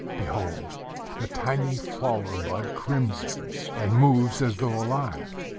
Behold! the tiny flower bud crimsons, and moves as though alive.